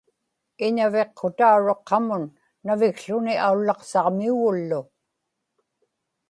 iñaviqqutauruq qamun navikłuni aullaqsaġmiugullu